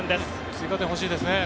追加点欲しいですね